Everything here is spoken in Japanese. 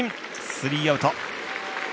スリーアウト。